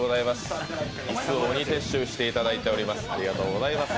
椅子を鬼撤収していただいてます